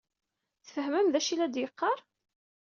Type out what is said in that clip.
Tfehmem d aci i la d-yeqqaṛ?